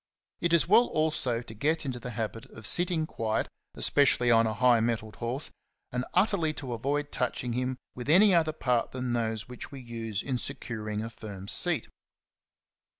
It is well also to get into the habit of sitting quiet, especially on a high mettled horse, and utterly to avoid touch ing him with any other part than those which we use in securing a firm seat.